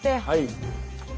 はい。